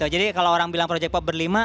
jadi kalau orang bilang project pop berlima